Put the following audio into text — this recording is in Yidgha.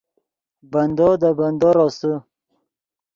بندو دے بندو روسے